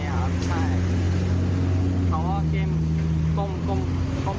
พวกเข้มก้มก้ม